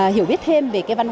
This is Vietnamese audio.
hiểu biết thêm